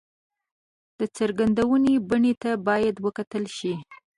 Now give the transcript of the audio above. د څرګندېدو بڼې ته باید وکتل شي.